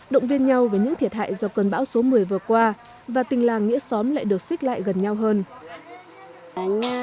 động viên nhau về những thiệt hại do cơn bão số một mươi vừa qua và tình làng nghĩa xóm lại được xích lại gần nhau hơn